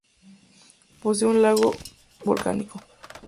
Posee un lago de origen volcánico.